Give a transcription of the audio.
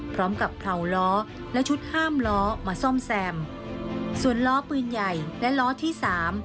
พร้อมกับเผาล้อและชุดห้ามล้อมาซ่อมแซมส่วนล้อปืนใหญ่และล้อที่สาม